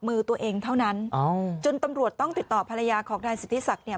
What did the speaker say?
มือตัวเองเท่านั้นจนตำรวจต้องติดต่อภรรยาของนายสิทธิศักดิ์เนี่ย